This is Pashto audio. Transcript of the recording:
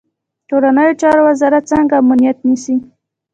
کورنیو چارو وزارت څنګه امنیت نیسي؟